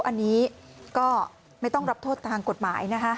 อันนี้ก็ไม่ต้องรับโทษทางกฎหมายนะคะ